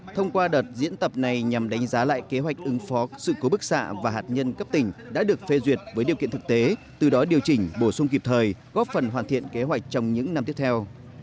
thông qua đợt diễn tập này nhằm đánh giá lại kế hoạch ứng phó sự cố bức xạ và hạt nhân cấp tỉnh đã được phê duyệt với điều kiện thực tế từ đó điều chỉnh bổ sung kịp thời góp phần hoàn thiện kế hoạch trong những năm tiếp theo